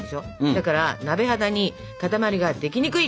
だから鍋肌に塊ができにくい。